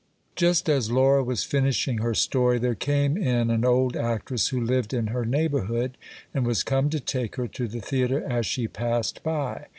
Just as Laura was finishing her story, there came in an old actress who lived in her neighbourhood, and was come to take her to the theatre as she passed by.